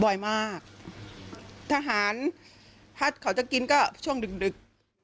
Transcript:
บ่อยมากทหารถ้าเขาจะกินก็ช่วงดึกดึก